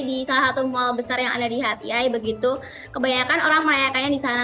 di salah satu mal besar yang ada di hatiai begitu kebanyakan orang merayakannya di sana